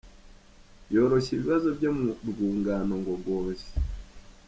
Yoroshya ibibazo byo mu rwungano ngogozi.